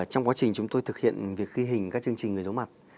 trong quá trình chúng tôi thực hiện việc ghi hình các chương trình người giấu mặt